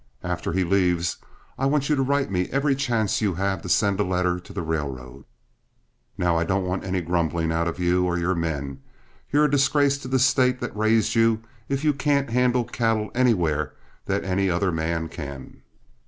After he leaves, I want you to write me every chance you have to send a letter to the railroad. Now, I don't want any grumbling out of you or your men; you're a disgrace to the state that raised you if you can't handle cattle anywhere that any other man can."